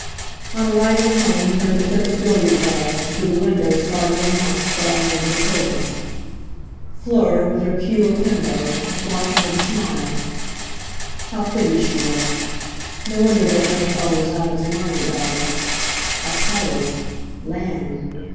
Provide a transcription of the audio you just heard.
On arriving home he heard the click of billiard balls, and through the window saw young Mont sprawling over the table. Fleur, with her cue akimbo, was watching with a smile. How pretty she looked! No wonder that young fellow was out of his mind about her. A title—land!